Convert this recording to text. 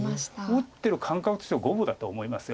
打ってる感覚としては五分だと思います。